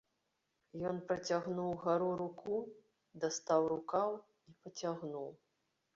Ён працягнуў угару руку, дастаў рукаў і пацягнуў.